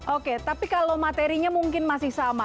oke tapi kalau materinya mungkin masih sama